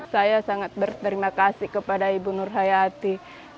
saya sangat berterima kasih kepada ibu nur hayati